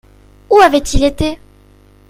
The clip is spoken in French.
Où avait-il été ?